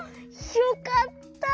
よかった。